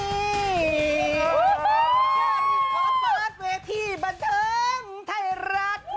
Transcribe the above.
เจอที่ขอบฟาสเวที่บันเทิงไทยรัฐ